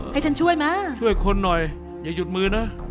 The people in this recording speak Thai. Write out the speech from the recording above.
ให้ฉันช่วยมาช่วยคนหน่อยอย่าหยุดมือนะ